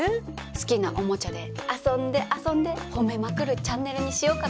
好きなおもちゃで遊んで遊んで褒めまくるチャンネルにしようかと。